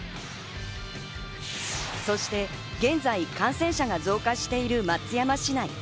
そして現在感染者が増加している松山市内。